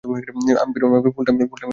আমি পেরুমালে full time join করেছি।